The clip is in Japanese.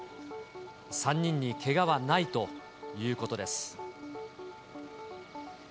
３人にけがはないということです。